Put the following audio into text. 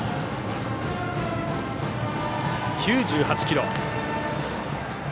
９８キロ。